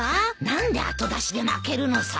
何で後出しで負けるのさ？